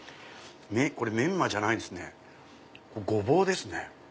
これメンマじゃないですねゴボウですね。